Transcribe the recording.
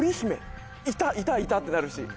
いたいたいたってなるし。